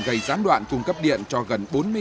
gây gián đoạn cung cấp điện cho gần bốn mươi người